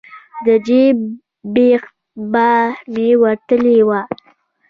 د جیب بیخ به مې وتلی و.